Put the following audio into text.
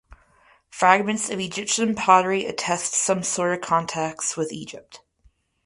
Fragments of Egyptian pottery attest some sort of contacts with Egypt.